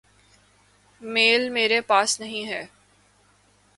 میل میرے پاس نہیں ہے۔۔